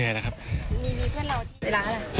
ของพรุ่งนี้